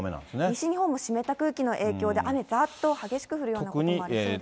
西日本も湿った空気の影響で、雨、ざーっと激しく降るような所もありそうですね。